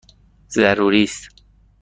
ضروری است!